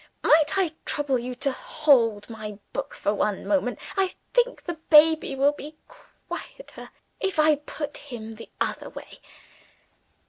Might I trouble you to hold my book for one moment? I think the baby will be quieter if I put him the other way."